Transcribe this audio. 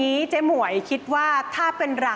นี่แหละ